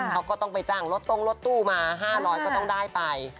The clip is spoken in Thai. เขาก็ต้องไปจ้างรถตรงรถตู้มา๕๐๐ก็ต้องได้ไป